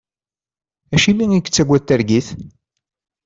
Acimi i yettaggad targit?